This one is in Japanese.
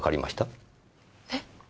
えっ？